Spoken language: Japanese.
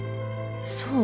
そう？